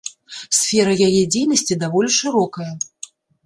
Сфера яе дзейнасці даволі шырокая.